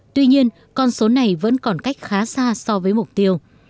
tuy nhiên con số này vẫn còn cách khá xa so với mục tiêu